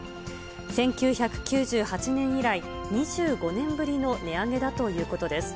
１９９８年以来、２５年ぶりの値上げだということです。